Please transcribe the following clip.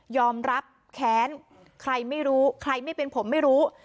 รับแค้นใครไม่รู้ใครไม่เป็นผมไม่รู้